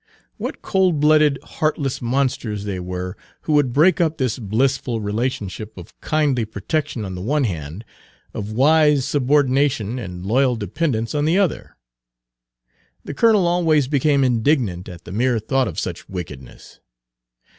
What cold blooded, heartless monsters they were who would break up this blissful relationship of kindly protection on the one hand, of wise subordination and loyal dependence on the other! The colonel always became indignant at the mere thought of such wickedness.